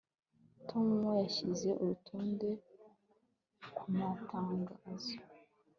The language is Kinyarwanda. Tom yashyize urutonde kumatangazo